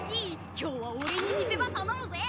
今日は俺に見せ場頼むぜ！